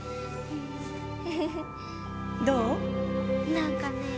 何かね